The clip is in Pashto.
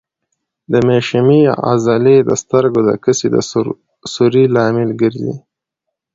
د مشیمیې عضلې د سترګو د کسي د سوري لامل ګرځي.